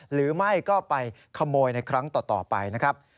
หรือไม่ก็ไปขโมยในครั้งต่อไปนะครับ